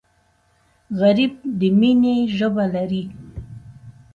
غریب د مینې ژبه لري